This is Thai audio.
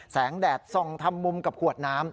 แสงแดดทรงทำมุมกับขวดน้ำ